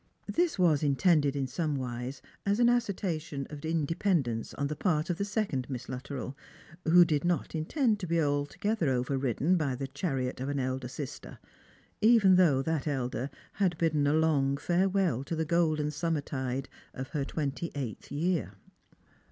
" This was intended in somewise as an assertion of indepen dence on the part of the second Miss Luttrell, who did not intend to be altogether overridden by the chariot of an elder sister, even though that elder had bidden a long farewell to the golden summer tide of her twenty eighth year.